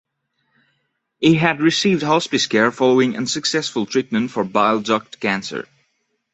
He had received hospice care following unsuccessful treatment for bile duct cancer.